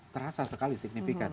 terasa sekali signifikan